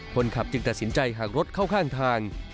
คนขับจึงตัดสินใจหากรถเข้าข้างทาง